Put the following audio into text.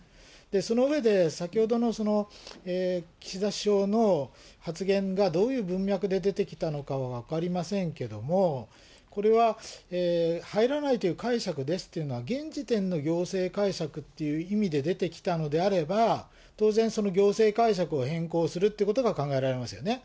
その上で、先ほどの岸田首相の、発言がどういう文脈で出てきたのかは分かりませんけれども、これは入らないという解釈ですっていうのは、現時点の行政解釈という意味で出てきたのであれば、当然、その行政解釈を変更するっていうことが考えられますよね。